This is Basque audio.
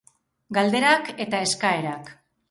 Galderak eta eskaerak.